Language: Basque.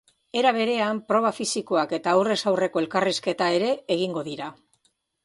Era berean, proba fisikoak eta aurrez aurreko elkarrizketa ere egingo dira.